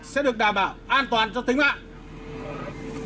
sẽ được đảm bảo an toàn cho tính mạng